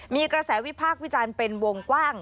มีกระแสวิพากษ์วิจารณ์เป็นวงกว้าง